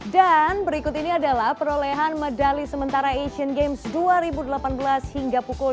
dan berikut ini adalah perolehan medali sementara asian games dua ribu delapan belas hingga pukul delapan belas empat puluh